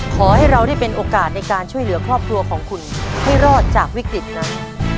ขอให้เราได้เป็นโอกาสในการช่วยเหลือครอบครัวของคุณให้รอดจากวิกฤตนั้น